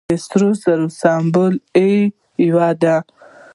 د سرو زرو سمبول ای یو دی.